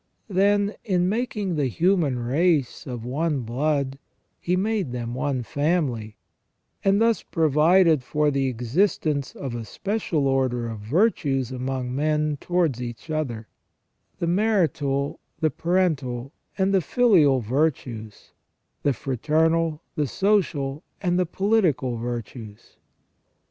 Then, in making the human race of one blood He made them one family, and thus provided for the existence of a special order of virtues among men towards each other: the marital, the parental, and the filial virtues; the fraternal, the social, and the political virtues.